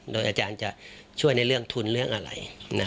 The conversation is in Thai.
โดยอาจารย์จะช่วยในเรื่องทุนเรื่องอะไร